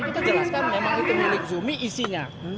kita jelaskan memang itu milik zumi isinya